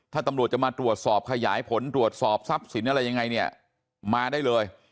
ถ้าตำรวจจะมาตรวจสอบขยายผลตรวจสอบทรัพย์สินอะไรยังไงเนี่ยมาได้เลย